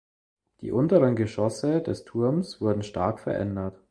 Die unteren Geschosse des Turms wurden stark verändert.